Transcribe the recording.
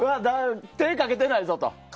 手をかけてないぞと。